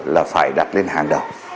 là phải đặt lên hàng